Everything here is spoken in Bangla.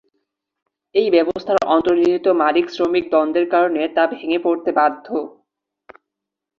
এই ব্যবস্থার অন্তর্নিহিত মালিক-শ্রমিক দ্বন্দ্বের কারণে তা ভেঙে পড়তে বাধ্য।